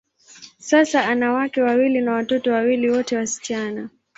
Sasa, ana wake wawili na watoto wawili, wote wasichana.